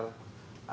ada yang keluar